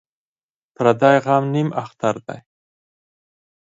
ـ پردى غم نيم اختر دى.